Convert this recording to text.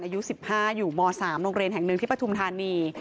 อายุ๑๕อยู่ม๓โรงเรียนแห่งหนึ่งที่ปฐุมธานี